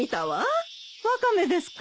ワカメですか？